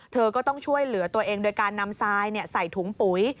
เธอก็ต้องช่วยเหลือตัวเองโดยการนำทรายใส่ถุงปุ๋ย